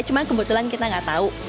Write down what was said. cuma kebetulan kita nggak tahu